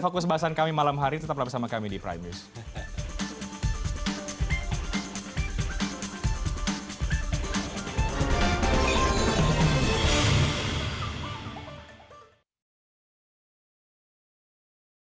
fokus bahasan kami malam hari tetaplah bersama kami di prime news